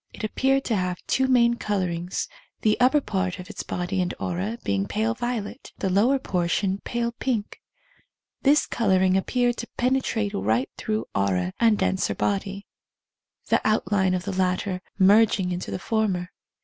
It appeared to have two main colourings, the upper part of its body and aura being pale violet, the lower portion pale pink. This colouring appeared to penetrate right through aura and denser body, the ':'\:tline of the latter merging into the former.